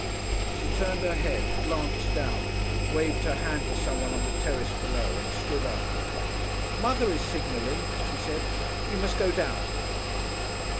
She turned her head, glanced down, waved her hand to someone on the terrace below, and stood up. "Mother is signalling," she said. "We must go down."